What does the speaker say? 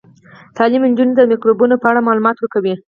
تعلیم نجونو ته د میکروبونو په اړه معلومات ورکوي.